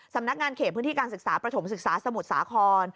สำนักงานเขตพื้นที่การศึกษาประถมศึกษาสมุทรสาคร